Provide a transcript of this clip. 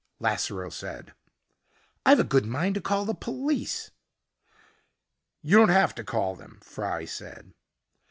Lasseroe said, "I've a good mind to call the police." "You don't have to call them," Fry said.